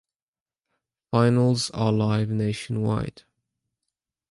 Finals are live nationwide.